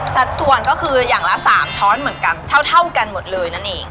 สัดส่วนก็คืออย่างละ๓ช้อนเท่ากันหมดเลยนั่นเอง